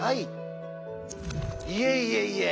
いえいえいえ